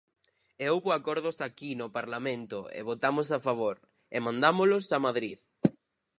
E houbo acordos aquí no Parlamento e votamos a favor, e mandámolos a Madrid.